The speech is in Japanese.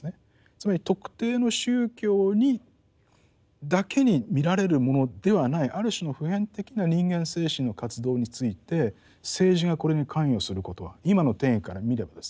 つまり特定の宗教にだけに見られるものではないある種の普遍的な人間精神の活動について政治がこれに関与することは今の定義から見ればですね